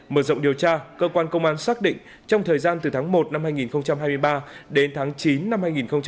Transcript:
mở rộng điều tra cơ quan công an xác định trong thời gian từ tháng một năm hai nghìn hai mươi ba đến tháng chín năm hai nghìn hai mươi ba